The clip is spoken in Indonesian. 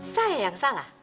saya yang salah